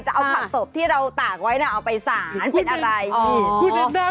จะเอาผักตบที่เราตากไว้นะเอาไปสารเป็นอะไร